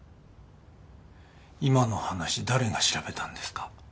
今の話誰が調べたんですか？